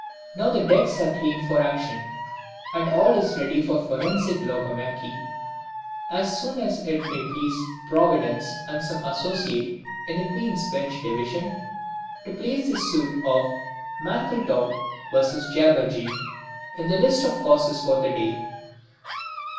Now the decks are cleaned for action, and all is ready for the forensic logomachy as soon as it may please Providence and some associate in the Queen's Bench Division to place the suit of Mankletow ~v.~ Jabberjee in the list of causes for the day.